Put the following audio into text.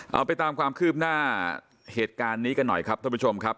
เอาไปตามความคืบหน้าเหตุการณ์นี้กันหน่อยครับท่านผู้ชมครับ